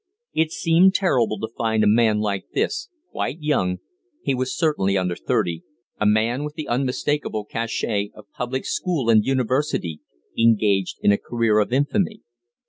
It seemed terrible to find a man like this, quite young he was certainly under thirty a man with the unmistakable cachet of public school and university, engaged in a career of infamy.